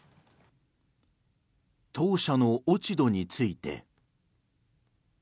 当社の落ち度について。